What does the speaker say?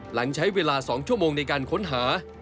หลังใช้เวลา๒ชั่วโมงในการค้นหา